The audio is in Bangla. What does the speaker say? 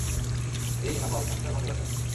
অ্যাই আবাল, মুখটা বন্ধ রাখো।